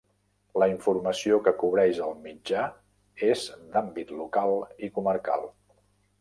La informació que cobreix el mitjà és d'àmbit local i comarcal.